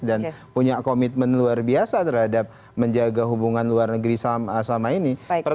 dan punya komitmen luar biasa terhadap menjaga hubungan luar negeri selama ini